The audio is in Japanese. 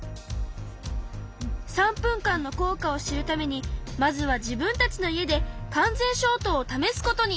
３分間の効果を知るためにまずは自分たちの家で完全消灯を試すことに！